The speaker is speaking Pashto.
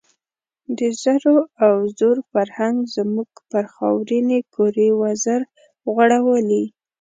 د زرو او زور فرهنګ زموږ پر خاورینې کُرې وزر غوړولی.